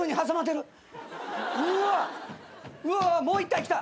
うわもう一体来た。